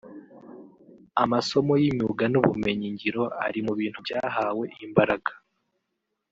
amasomo y’imyuga n’ubumenyi ngiro ari mu bintu byahawe imbaraga